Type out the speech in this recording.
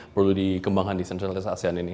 perlu dikembangkan di sentralitas asean ini